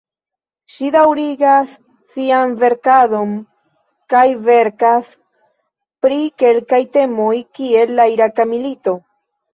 Ŝi daŭrigas sian verkadon kaj verkas pri kelkaj temoj, kiel la Iraka milito.